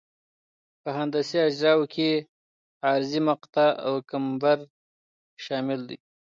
په هندسي اجزاوو کې عرضي مقطع او کمبر شامل دي